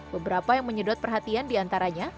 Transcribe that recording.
beberapa yang menyedot perhatian diantaranya